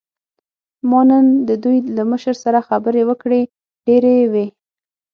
ما نن د دوی له مشر سره خبرې وکړې، ډېرې یې وې.